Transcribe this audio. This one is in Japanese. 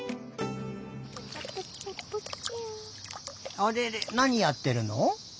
あれれなにやってるの？